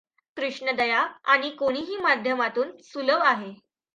कृष्णा दया आणि कोणीही माध्यमातून सुलभ आहे.